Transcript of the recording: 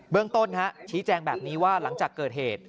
เรื่องต้นชี้แจงแบบนี้ว่าหลังจากเกิดเหตุ